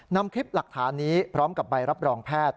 นำคลิปหลักฐานนี้พร้อมกับใบรับรองแพทย์